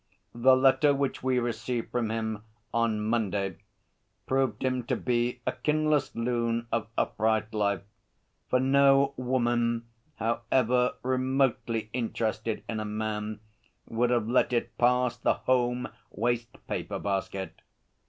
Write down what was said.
The letter which we received from him on Monday proved him to be a kinless loon of upright life, for no woman, however remotely interested in a man would have let it pass the home wastepaper basket.